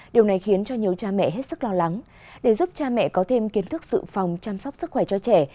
điều này khiến cho nhiều cha mẹ hết sức lo lắng để giúp cha mẹ có thêm kiến thức sự phòng chăm sóc sức khỏe cho trẻ